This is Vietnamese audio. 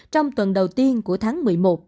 trong tuần đầu tiên của tháng một mươi một